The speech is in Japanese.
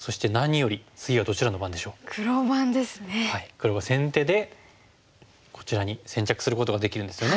黒が先手でこちらに先着することができるんですよね。